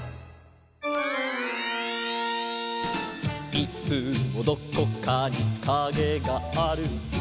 「いつもどこかにカゲがある」